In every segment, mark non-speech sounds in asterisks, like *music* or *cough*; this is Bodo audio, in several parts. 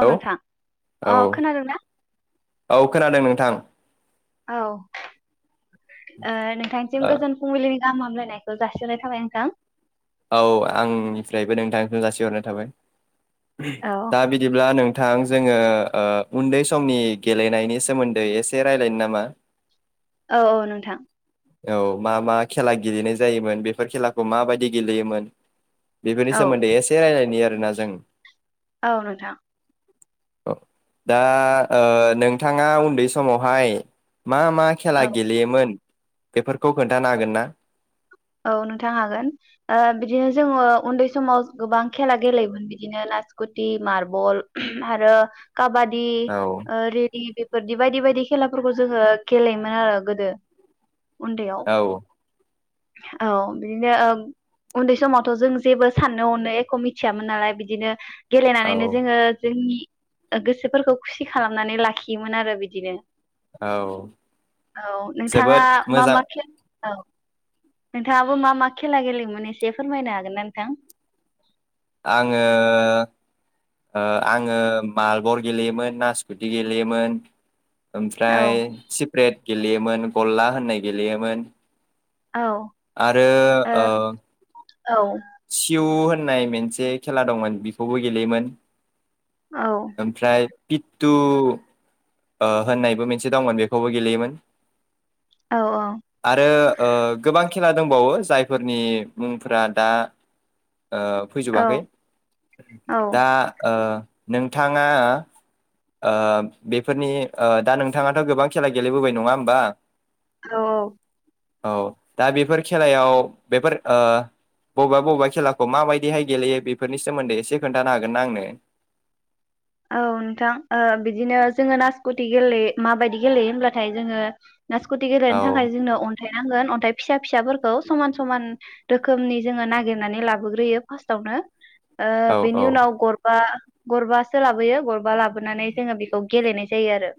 औ नोंथां अ खोनादों ना औ खोनादों नोंथां औ ओ नोंथांनिसिम गोजोन फुंबिलिनि गाहाम हामलायनायखौ जासिहरनाय थाबाय नोंथां औ आंनिफ्रायबो नोंथांखौ जासिहरनाय थाबाय औ दा बिदिब्ला नोंथां जोङो ओ उन्दै समनि गेलेनायनि सोमोन्दै एसे रायलायनो नामा औ औ नोंथां औ मा मा खेला गेलेनाय जायोमोन बेफोर खेलाखौ माबायदि गेलेयोमोन बेफोरनि औ सोमोन्दै एसे रायलायनि रोना जों औ नोंथां औ दा ओ नोंथाङा उन्दै समावहाय मा मा औ खेला गेलेयोमोन बेफोरखौ खोन्थानो हागोन ना औ नोंथां हागोन ओ बिदिनो जोङो उन्दै समाव गोबां खेला गेलेयोमोन बिदिनो नासकुटि मारबल आरो काबादि औ ओ रेडि बे फोरदि बायदि बायदि खेलाफोरखौ जोङो गेलेयोमोन आरो गोदो उनदैयाव औ औ बिदिनो उन्दै समावथ' जों जेबो साननो हनो एख' मिथियामोन नालाय बिदिनो औ गेलेनानैनो जोङो जोंनि गोसोफोरखौ खुसि खालामनानै लाखियोमोन आरो बिदिनो औ औ जोबोद नोंथाङा मा मोजां मा खेल औ नोंथाङाबो मा मा खेला गेलेमोन एसे फोरमायनो हागोनना नोंथां आङो ओ आङो बारबल गेलेयोमोन नासकुटि गेलेयोमोन औ ओमफ्राय सिप्रेट गेलेयोमोन गलला होननाय गेलेयोमोन औ आरो ओ औ सिउ होननाय मोनसे खेला दंमोन बेखौबो गेलेयोमोन औ ओमफ्राय फिथथु ओ होननायबो मोनसे दंमोन बेखौबो गेलेयोमोन औ आरो ओ गोबां खेला दंबावो जायफोरनि मुंफोरा दा ओ औ फैजोबाखै औ दा ओ नोंथाङा ओ बे फोरनि ओ दा नोंथाङाथ' गोबां खेला गेलेबोबाय नङा होमबा? औ औ औ दा बेफोर खेलायाव बेफोर ओ बबेबा बबेबा खेलाखौ माबायदिहाय गेलेयो बेफोरनि सोमोन्दै एसे खोन्थानो हागोन ना आंनो औ नोंथां ओ बिदिनो जोङो नासकुथि गेलेयो माबायदि गेलेयो होमब्लाथाय जोङो नासकुटि औ गेलेनो थाखाय जोंनो अन थाइ नांगोन अन्थाइ फिसा फिसाफोरखौ समान समान रोखोमनि जोङो नागिरनानै लाबोग्रोयो फार्स्टआवनो ओ औ औ बिनि उनाव गरबा गरबा सो लाबोयो गरबा लाबोनानै जोङो बेखौ गेलेनाय जायो आरो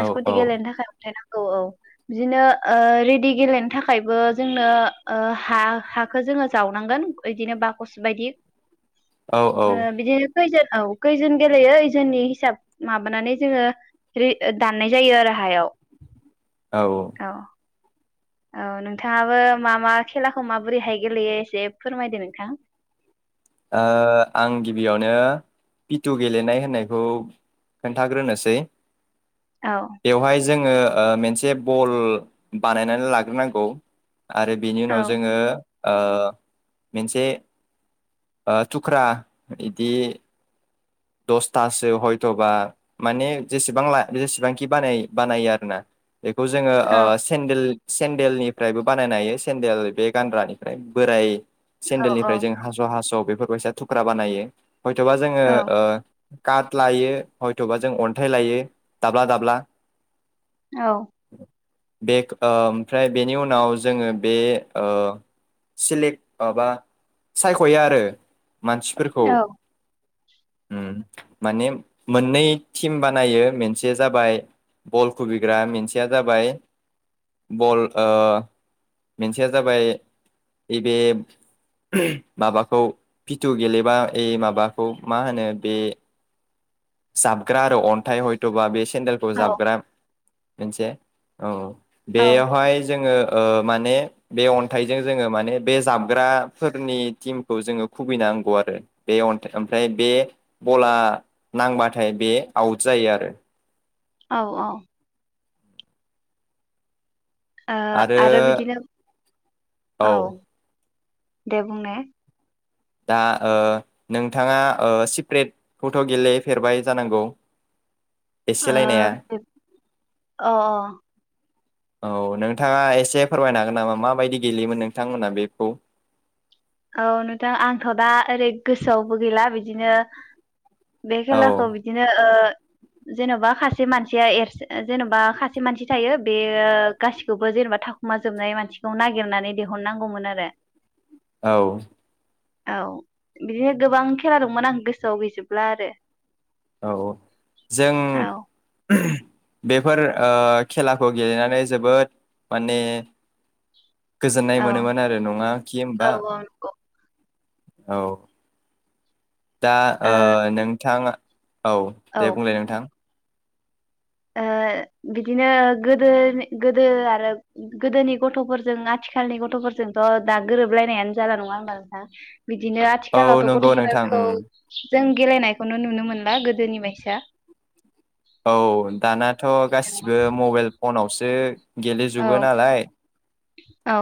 औ गेलेनो थाखाय अनथाइ नां औ औ बिदिनो ओ रेडि गेलेनो थाखायबो जोंनो ओ हा हाखौ जोङो जावनांगोन बिदिनो बाखस बायदि औ औ ओ बिदिनो खैजोन औ खैजोन गेलेयो ओइजोननि हिसाब माबानानै जोङो रि दाननाय जायो आरो हायाव औ। औ नोंथाङाबो मा मा खेलाखौ माबोरैहाय गेलेयो एसे फोरमायदो नोंथां। ओ आं गिबियावनो पिटु गेलेनाय होननायखौ खोन्थाग्रोनोसै। औ। बेवहाय जोङो मोनसे बल बानायनानै लाग्रोनांगौ आरो बेनि औ उनाव जोङो ओ मोनसे थुख्रा इदि दसथासो हयथ'बा माने जेसेबां जेसेबांखि बानायो आरोना बेखौ ओ जोङो औ सेन्देल सेन्देलनिफ्रायबो बानायनो हायो सेन्देल बे गानग्रानिफ्राय बोराय औ सेन्देलनिफ्राय जों हास' हास' बेफोर बायैसा थुख्रा बानायो। हयथ'बा जोङो औ ओ काट लायो हयथ'बा जों अन्थाइ लायो दाब्ला दाब्ला औ। बे ओमफ्राय बेनि उनाव जोङो बे सिलेक माबा सायख'यो आरो। मानसिफोरखौ औ ओम माने मोननै टिम बानायो मोनसेया जाबाय बल खुबैग्रा मोनसेया जाबाय बल मोनसेया जाबाय बे माबाखौ पिथु गेलेबा माबाखौ मा होनो। बे जाबग्रा आरो अन्थाइ हयथ'बा बेसे चेन्देलखौ औ जाबग्रा मोनसे औ औ बेयावहाय जोङो ओ माने बे अन्थाइजों जोङो माने बे जाबग्राफोरनि टिमखौ जोङो खुबैनांगौ आरो बेअन्थाइ ओमफ्राय बे बाला नांबाथाय बे आउट जायो आरो। औ औ। आरो बिदिनो औ। दे बुं ने दा नोंथाङा सिप्रेट फट' गेलेफेरबाय जानांगौ आ एसेलायनाया अ अ। औ नोंथाङा एसे फोरमायनो हागोन नामा माबायदि गेलेयोमोन नोंथांमोनहा बेखौ औ नोंथां आंथ' दा ओरै गोसोआवबो गैला बिदिनो बे औ खेलाखौ बिदिनो ओ जेन'बा खासे सासे मानसिया एसे जेन'बा सासे मानसि थायो बेयो गासिखौबो जेनेबा थाखुमा जोबनाय मानसिखौ नागिरनानै दिहुननांगौमोन आरो औ औ बिदिनो गोबां खेला दंमोन आं गोसोयाव गैजोबला आरो औ औ जों औ बेफोर ओ खेलाखौ गेलेनानै जोबोद माने गोजोननाय औ मोनोमोन आरो नङा कि औ होमबा औ नंगौ औ दा ओ नोंथाङा औ दे बुंलाय नोंथां ओ बिदिनो गोदोनि गोदो आरो गोदोनि गथ'फोरजों आथिखालनि गथ'फोरजोंथ' दा गोरोबलायनायानो जाला नङा होनोमबा नोंथां बिदिनो औ आथिखालावथ' नंगौ नोंथां गथ'फोरखौ उम जों गेलेनायखौनो नुनो मोनला गोदोनि बाइसा औ दानाथ' गासिबो मबाइल फनावसो औ गेलेजोबो नालाय औ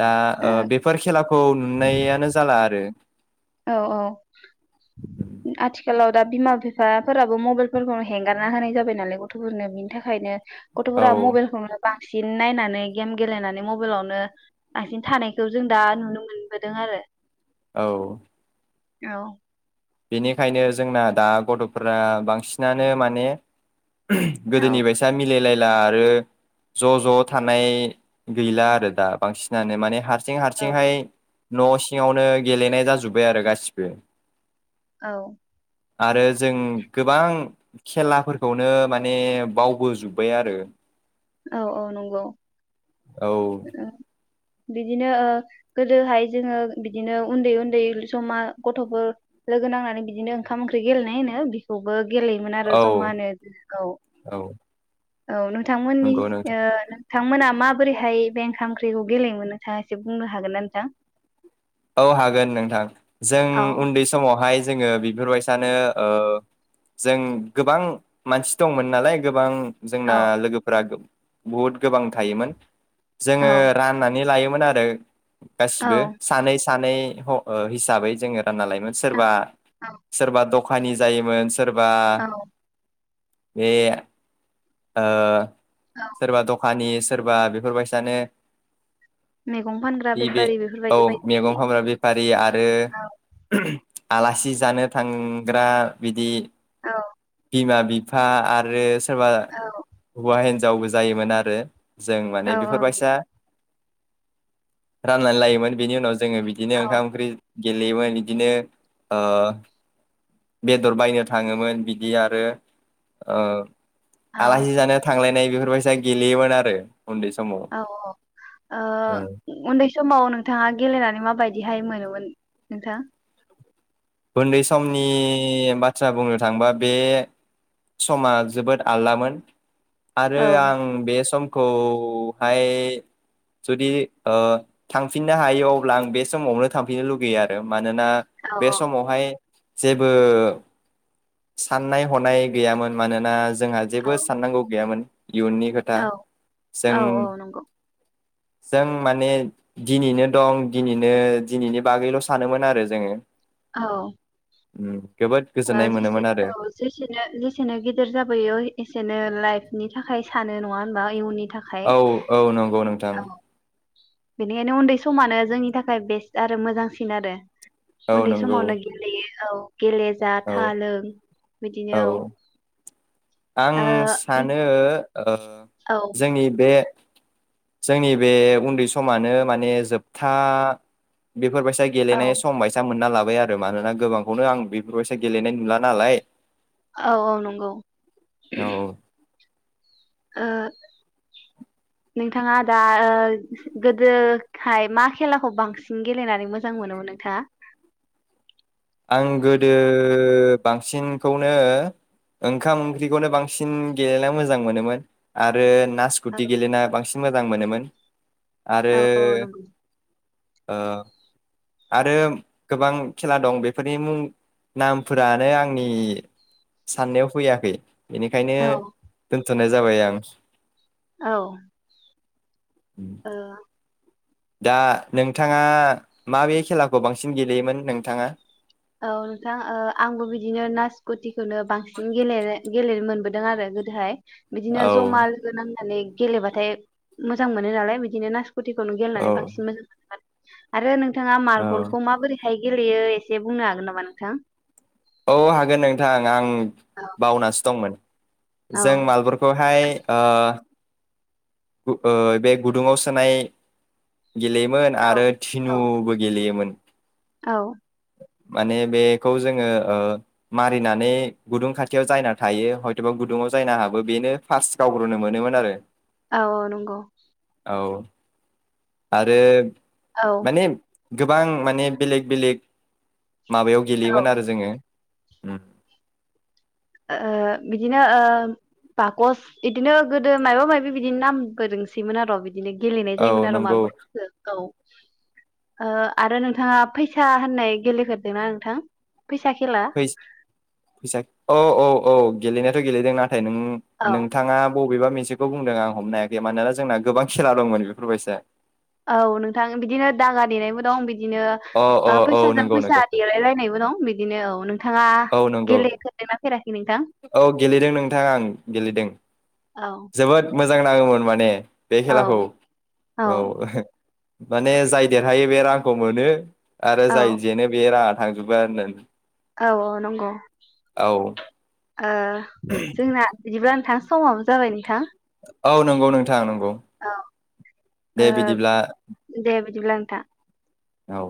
दा ओ बेफोर खेला खौ नुनायानो जाला आरो औ औ आथिखालाव दा बिमा बिफाफोराबो मबाइलफोरखौ हेंगारना होनाय जाबाय नालाय गथ'फोरनो बिनि थाखायनो औ गथ'फोरा मबाइलखौनो बांसिन नायनानै गेम गेलेनानै मबाइलावनो बांसिन थानायखौ जों दा नुनो मोनबोदों आरो औ औ बेनिखायनो जोंना दा गथ'फोरा बांसिनानो माने औ गोदोनि बायसा मिलायलाय दा आरो ज' ज' थानाय गैला आरो दा बांसिनानो माने हार हारसिं हारसिंहाय न' सिङावनो गेलेनाय जाजोबबाय आरो गासिबो औ आरो जों गोबां खेलाफोरखौनो माने बावबोजोबबाय आरो औ औ नंगौ औ बिदिनो ओ गोदोहाय जोङो बिदिनो उनदै उनदै ज'मा गथ'फोर लोगो नांनानै बिदिनो ओंखाम-ओंख्रि गेलेनाय होनो बेखौबो गेलेयोमोन औ आरो ज'मानो औ औ औ नोंथांमोननि नंगौ नोंथां ओ नोंथांमोना माबोरैहाय बे ओंखाम ओंख्रिखौ गेलेयोमोन नोंथाङा एसे बुंनो हागोन ना नोंथां? औ हागोन नोंथां जों औ उनदै समावहाय जोङो बिफोरबायसानो ओ जों गोबां मानसि दंमोन नालाय गोबां जोंना औ लोगोफोरा गो बहुद गोबां थायोमोन जोङो राननानै लायो मोन आरो औ गासिबो सानै सानै ह ओ हिसाबै जोङो ना लायोमोन औ सोरबा औ सोरबा दख खानि जायोमोन सोर बा औ बे ओ सोरबा दखानि सोरबा बेफोरबायसानो मैगं फानग्रा बि बे बेफारि औ बेफोरबायदि बायदि मेगं बायदि फानग्रा बेफारि आरो औ आलासि जानो थांग्रा बिदि औ बिमा-बिफा आरो स सोरबा हुवा हिनज जावबो जायोमोन आरो जों औ माने बेफोरबायसा रानलायना लायोमोन बेनि उनाव जों जोङो बिदिनो औ ओंखाम-ओंख्रि गेलेयोमोन बिदिनो बेदर बायनो थाङोमोन बिदि आरो ओ औ आलासि जानो थांलायनाय बेफोरबायसा गेलेयोमोन आरो उन्दै समाव औ औ औ ओ उनदै स समाव नोंथाङा गेलेनानै माबायदिहाय मोनोमोन नोंथां? उनदै समनि बाथ्रा बुंनो थांबा बे समा जोबोद आलदामोन औ आरो आं बे सम खौहाय जुदि ओ थांफिननो हायो अब्ला आं बे समावनो थांफिननो लुगैयो आरो मानोना औ बे ए जेबो साननाय हनाय गैयामोन मानोना जोंहा औ जेबो साननांगौ गैयामोन इयुननि खोथा औ जों औ औ नंगौ जों माने दिनैनो दं दिनैनो दिनैनि बागैल' सानोमोन आरो जोङो औ उम जोबोद ओ गोजोननाय जेसे मोनोमोन आरो औ जेसेनो जेसेनो गेदेर जाबोयो एसेनो ला लाइफ नि थाखाय सानो नङा होनबा इयुननि थाखाय औ औ नंगौ नोंथां औ बेनिखायनो उन्दै समानो जोंनि थाखाय बेस्ट आरो मोजांसिन आरो औ उन्दै नंगौ समावनो गेलेयो औ गेले जा औ था लों बिदिनो औ आं सानो ओ ओ जोंनि बे जोंनि बे उन्दै समानो माने जोबथा बेफोरबायसा औ गेलेनाय सम बायसा मोनना लाब बाय आरो मानोना गोबांखौनो आं बेफोरबायसा गेलेनाय नुला नालाय औ औ नंगौ औ ओ नोंथाङा दा ओ गोदोहाय मा खेलाखौ बांसिन गेलेनानै मोजां मोनोमोन नोंथाङा? आं गोदो बांसिनखौनो ओंखाम ओंख्रिखौनो बांसिन गेलेना मोजां मोनोमोन आरो औ नासकुटि गेलेना बांसि मोजां मोनोमोन आरो औ औ नंगौ ओ आरो गोबां खेला दं बेफोरनि मुं नामफोरानो आंनि साननायाव फैयाखै एनिखायनो औ दोन थ'नाय जाबाय आमस औ उम। दा नोंथाङा माबे खेलाखौ बांसिन गेलेयोमोन नोंथाङा। औ नोंथां ओ आंबो बिदिनो नासकुटि। खौनो बांसिन गेलेनो। गेलेनो मोनबोदों आरो गोदोहाय। औ बिदिनो जमा लोगो नांनानै। गेलेबाथाय मोजां मोनो नालाय बिदिनो नास कुटिखौनो औ गेलेनानै बांसिन मोजां आरो नोंग थाङा औ मार्बलखौ माबोरै बेहाय गेलेयो एस दे बुंनो हागोन नामा नोंथां। औ हागोन नोंथां आं। औ बावनासो दंमोन। जों मालबरखौहाय ओ। गु ओ बे गुदुङाव सोनाय। गेलेयोमोन औ आरो औ थिनुबो गेलेयोमोन। *inaudible* औ। माने बेखौ जोङो। ओ मारिनानै गुदुं खाथियाव जायना थायो हयथ'बा गुदुंङाव जायना हाबो बेनो फार्स्ट गावग्रोनो मोनोमोन आरो। औ औ नंगौ। औ आरो। औ माने गोबां माने। बेलेग बेलेग। माबायाव ओ गेलेयोमोन आरो जोङो। होम। ओ ओ बिदिनो ओ बाकस इदिनो गोदो मायबा मायबि बिदिनो नाम-बो दोंसोमोन आर' बिद दिनो गेलेनाय औ जायोमोन आरो नंगौ मालब'रफोरखो गाव ओ आरो नोंथांङा फैसा होननाय गेलेफेरदोंना नोंथां। फैसा खेला फैस-फैसा औ औ। औ गेलेनायाथ' गेलेदोंना? नाथाय नों औ नोंथाङा ब बैबा मोनसेखौ बुंदों आं हमनो हायाखै मानोना जोंना गोबां खेला दंमोन बेफोर बायसा। औ नोंथां बिदिनो दागा देनायबो दं बिद बिदिनो अ अ ओ औ फैसाजों नंगौ फैसा नंगौ देलायलायनायबो दं बिदिनो औ नोंथाङा औ नंगौ गेलेफेरदोंना फेराखै? नोंथां? औ गेलेदों नोंथां आं गेलेदों औ जोबोद मोज जां नाङोमोन माने बे औ खेलाखौ औ माने जाय देरहायो बे रां खौ मोनो आरो औ जायजेनो बे राद थांजोबो आरो नान औ औ नंगौ ओ जोंना बिदिब्ला नोंथां समाबो जाबाय नोंथां औ नंगौ नोंथां नंगौ औ दे बिदिब्ला थां औ